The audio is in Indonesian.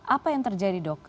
apa yang terjadi dok